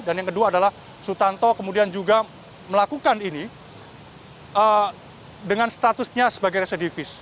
dan yang kedua adalah susanto kemudian juga melakukan ini dengan statusnya sebagai residivis